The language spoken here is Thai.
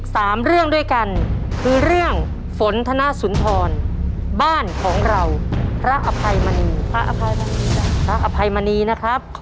เซ็ตที่สองกำลังตามมานะครับ